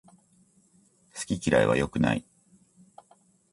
好き嫌いは良くない